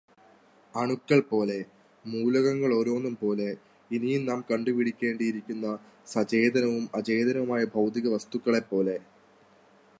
അണുക്കൾ പോലെ, മൂലകങ്ങളോരോന്നും പോലെ, ഇനിയും നാം കണ്ടുപിടിക്കേണ്ടിയിരിക്കുന്ന സചേതനവും അചേതനവുമായ ഭൗതികവസ്തുക്കളെപ്പോലെ